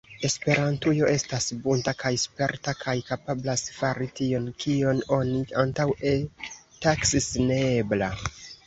Esperantujo estas bunta kaj sperta kaj kapablas fari tion, kion oni antaŭe taksis neebla.